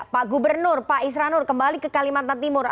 pak gubernur pak isranur kembali ke kalimantan timur